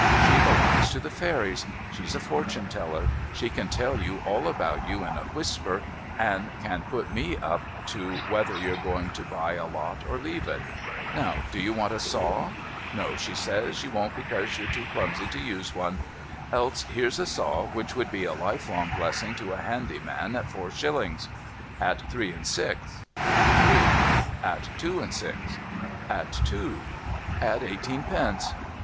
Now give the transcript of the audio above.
She belongs to the Fairies. She's a fortune teller. She can tell me all about you in a whisper, and can put me up to LITTLE SOPHY FADING AWAY 389 whether you're going to buy a lot or leave it. Now do you want a saw ? No, she says you don't, because you're too clumsy to use one. Else here's a saw which would be a lifelong blessing to a handy man, at four shillings, at three and six, at three, at two and six, at two, at eighteen pence.